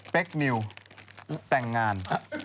เป็คนิวแต่งงาน